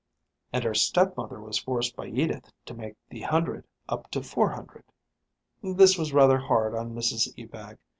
And her stepmother was forced by Edith to make the hundred up to four hundred. This was rather hard on Mrs Ebag.